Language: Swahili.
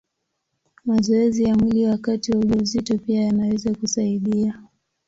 Mazoezi ya mwili wakati wa ujauzito pia yanaweza kusaidia.